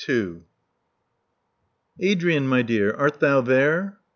Adrian, my dear, art thou there?"